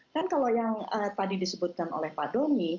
kan kalau yang tadi disebutkan oleh pak doni